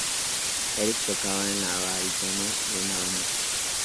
Eric tocaba el barítono en la banda.